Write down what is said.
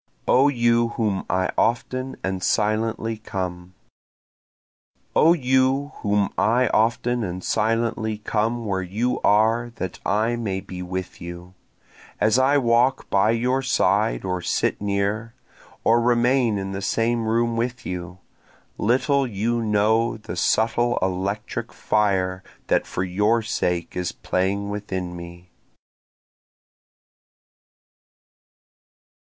O You Whom I Often and Silently Come O you whom I often and silently come where you are that I may be with you, As I walk by your side or sit near, or remain in the same room with you, Little you know the subtle electric fire that for your sake is playing within me.